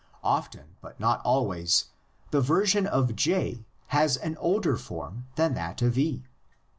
Often but not always the version of J has an older form than that of E.